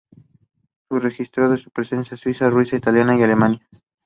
The site propagated Mao Zedong Thought.